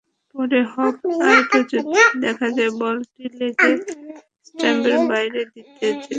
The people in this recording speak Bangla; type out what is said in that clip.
পরে হক-আই প্রযুক্তিতে দেখা যায় বলটা লেগ স্টাম্পের বাইরে দিয়ে যেত।